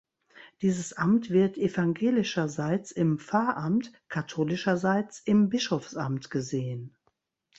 Dieses Amt wird evangelischerseits im Pfarramt, katholischerseits im Bischofsamt gesehen.